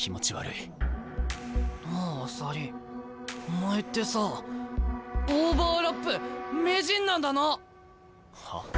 お前ってさあオーバーラップ名人なんだな！は？